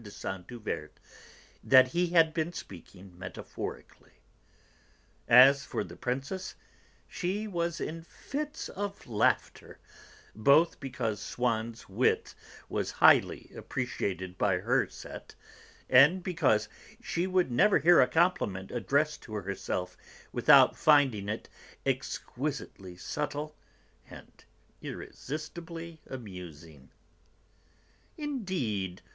de Saint Euverte that he had been speaking metaphorically. As for the Princess, she was in fits of laughter, both because Swann's wit was highly appreciated by her set, and because she could never hear a compliment addressed to herself without finding it exquisitely subtle and irresistibly amusing. "Indeed!